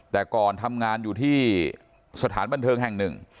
แต่ก่อนทำงานอยู่ที่สถานบันเทิงแห่งหนึ่ง